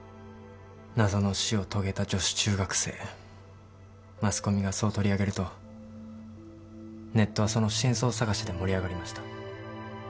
「謎の死を遂げた女子中学生」マスコミがそう取り上げるとネットはその真相探しで盛り上がりました。